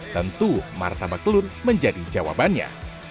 tentu martabak telur menjadi jawabannya